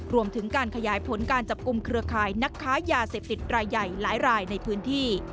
รวมถึงการขยายผลการจับกลุ่มเครือข่ายนักค้ายาเสพติดรายใหญ่หลายรายในพื้นที่